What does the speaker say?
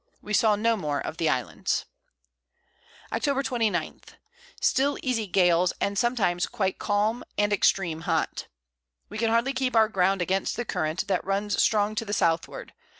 We saw no more of the Islands. Octob. 29. Still easy Gales, and sometimes quite calm, and extream hot. We can hardly keep our Ground against the Current, that runs strong to the Southward.